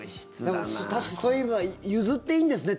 でも、確かにそういえば譲っていいんですね？